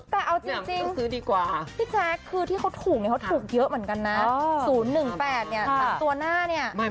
แต่เอาจริงพี่แจ๊คคือที่เขาถูกเขาถูกเยอะเหมือนกันนะ๐๑๘ต่อหน้าเนี่ย